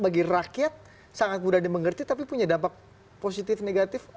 bagi rakyat sangat mudah dimengerti tapi punya dampak positif negatif